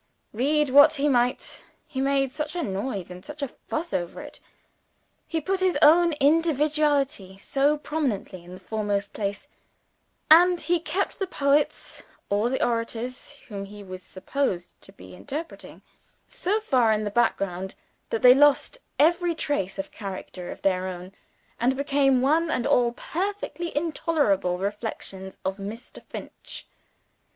Read what he might, he made such a noise and such a fuss over it; he put his own individuality so prominently in the foremost place, and he kept the poets or the orators whom he was supposed to be interpreting so far in the back ground, that they lost every trace of character of their own, and became one and all perfectly intolerable reflections of Mr. Finch.